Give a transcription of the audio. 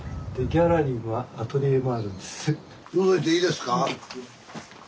のぞいていいですか？